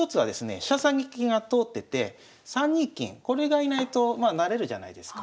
飛車先が通ってて３二金これが居ないとまあ成れるじゃないですか。